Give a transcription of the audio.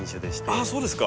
ああそうですか！